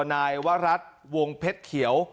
นายวรัฐวงเพชรเขียว